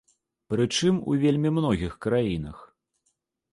Прычым у вельмі многіх краінах.